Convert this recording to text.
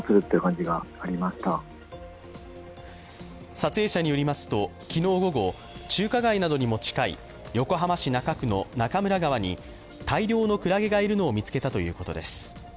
撮影者によりますと、昨日午後中華街などにも近い横浜市中区の中村川に大量のクラゲがいるのを見つけたということです。